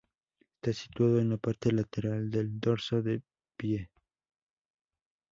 Está situado en la parte lateral del dorso del pie.